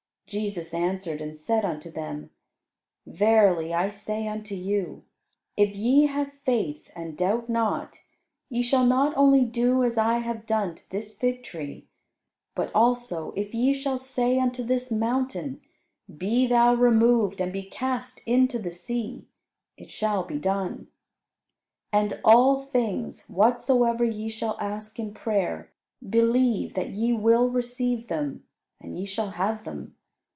Jesus answered, and said unto them, "Verily I say unto you, if ye have faith and doubt not, ye shall not only do as I have done to this fig tree, but, also, if ye shall say unto this mountain, 'Be thou removed and be cast into the sea,' it shall be done. And all things, whatsoever ye shall ask in prayer, believe that ye will receive them, and ye shall have them.